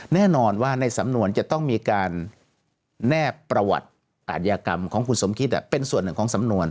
แน่นอนว่าในสำนวนจะต้องมีการแนบประวัติอาทยากรรมของคุณสมคิดเป็นส่วนหนึ่งของสำนวน